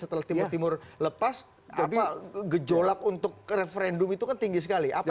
setelah timur timur lepas gejolak untuk referendum itu kan tinggi sekali